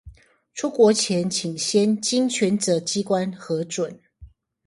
出國請先經權責機關核准